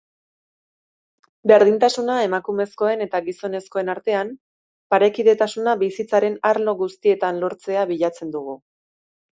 Berdintasuna emakumezkoen eta gizonezkoen artean, parekidetasuna bizitzaren arlo guztietan lortzea bilatzen dugu.